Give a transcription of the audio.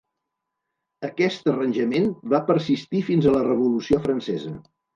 Aquest arranjament va persistir fins a la Revolució Francesa.